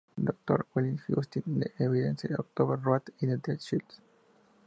Doctors", "Blind Justice", "The Evidence", "October Road" y "The Shield".